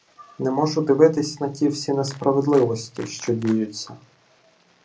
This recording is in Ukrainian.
Не можу дивитися на ті всі несправедливості, що діються.